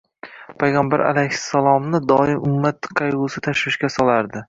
Payg‘ambar alayhissalomni doimo ummat qayg‘usi tashvishga solardi